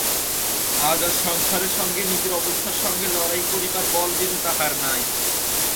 আজ আর সংসারের সঙ্গে নিজের অবস্থার সঙ্গে লড়াই করিবার বল যেন তাহার নাই।